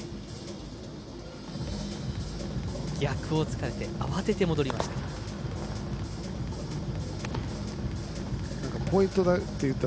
逆を突かれて慌てて戻りました。